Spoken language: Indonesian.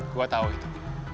gue tahu itu